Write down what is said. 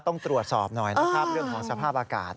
ต้องตรวจสอบหน่อยนะครับเรื่องของสภาพอากาศ